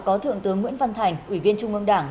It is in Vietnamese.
có thượng tướng nguyễn văn thành ủy viên trung ương đảng